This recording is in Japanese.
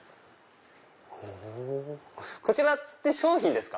こちらって商品ですか？